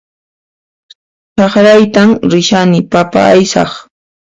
Chakraytan rishani papa aysaq